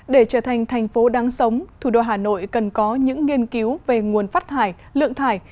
để trở thành thành phố đáng sống thủ đô hà nội cần có những nghiên cứu về nguồn phát thải lượng thải